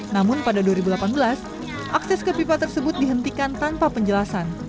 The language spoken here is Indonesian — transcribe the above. namun pada dua ribu delapan belas akses ke pipa tersebut dihentikan tanpa penjelasan